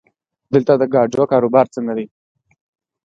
دلته د ګاډو کاروبار څنګه دی؟